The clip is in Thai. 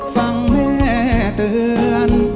ฟังแม่เตือน